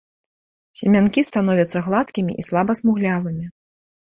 Сямянкі становяцца гладкімі і слаба смуглявымі.